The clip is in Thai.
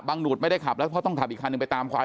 บางนูธไม่ได้ขับแล้วต้องขับอีกคันนึงไปตามขวาย